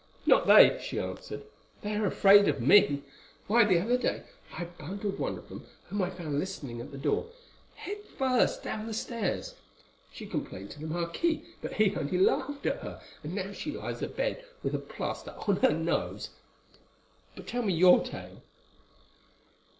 "Not they," she answered; "they are afraid of me. Why, the other day I bundled one of them, whom I found listening at the door, head first down the stairs. She complained to the marquis, but he only laughed at her, and now she lies abed with a plaster on her nose. But tell me your tale."